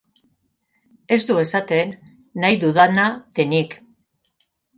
Ez du esaten nahi dudana denik.